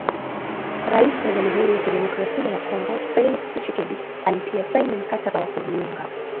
Rais wa Jamuhuri ya kidemokrasia ya kongo Felix Tshisekedi alitia saini mkataba wa kujiunga